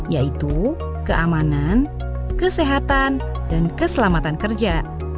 yaitu keamanan kesehatan dan keselamatan kerja